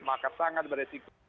maka sangat beresiko